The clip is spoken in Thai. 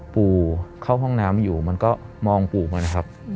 ปู่เข้าห้องน้ำอยู่มันก็มองปู่มันนะครับ